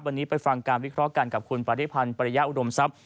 วันนี้ไปฟังการวิเคราะห์กันกับคุณปริพันธ์ปริยะอุดมทรัพย